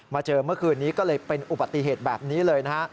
เจอเมื่อคืนนี้ก็เลยเป็นอุบัติเหตุแบบนี้เลยนะฮะ